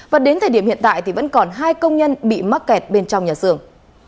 và đến thời điểm hiện tại thì vẫn còn hai công nhân bị mắc kẹt bên trong nhà xưởng